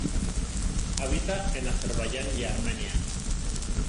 Habita en Azerbaiyán y Armenia.